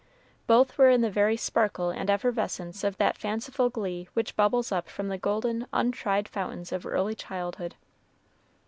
Both were in the very sparkle and effervescence of that fanciful glee which bubbles up from the golden, untried fountains of early childhood.